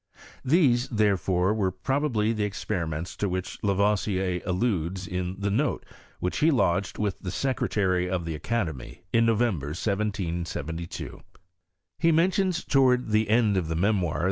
These, therefore, were probably the experi jDents to which Lavoisier alludes in the note which he lodged with the secretary of the academy in November, 1772. He mentions towards the end of the Memoir